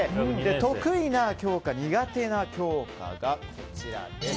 得意な教科、苦手な教科がこちら。